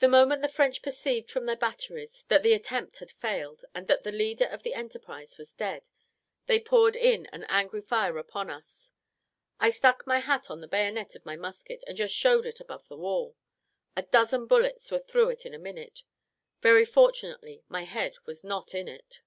The moment the French perceived from their batteries that the attempt had failed, and that the leader of the enterprise was dead, they poured in an angry fire upon us. I stuck my hat on the bayonet of my musket, and just showed it above the wall. A dozen bullets were through it in a minute: very fortunately my head was not in it.